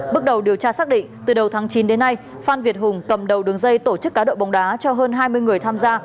bước đầu điều tra xác định từ đầu tháng chín đến nay phan việt hùng cầm đầu đường dây tổ chức cá độ bóng đá cho hơn hai mươi người tham gia